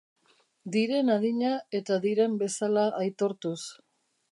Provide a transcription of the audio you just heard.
Diren adina eta diren bezala aitortuz.